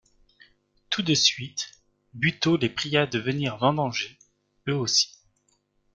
Tout de suite, Buteau les pria de venir vendanger, eux aussi.